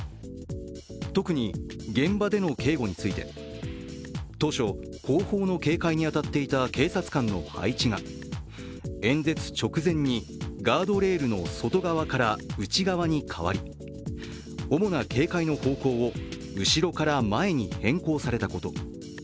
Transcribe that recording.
特に、現場での警護について当初、後方の警戒に当たっていた警察官の配置が演説直前にガードレールの外側から内側に変わり主な警戒の方向を後ろから前に変更されたこと。